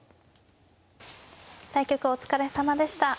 対局お疲れさまでした。